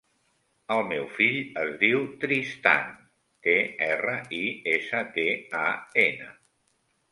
El meu fill es diu Tristan: te, erra, i, essa, te, a, ena.